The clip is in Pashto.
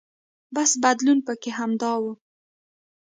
بس بدلون پکې همدا و.